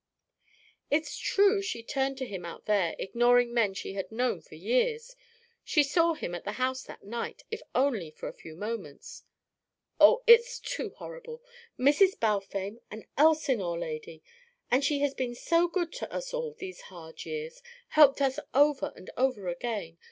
"It's true she turned to him out there, ignoring men she had known for years she saw him at the house that night, if only for a few moments Oh, it's too horrible! Mrs. Balfame. An Elsinore lady! And she has been so good to us all these hard years, helped us over and over again.